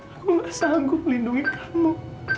aku gak sanggup melindungi kamu